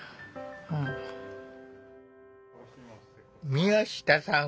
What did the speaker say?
宮下さん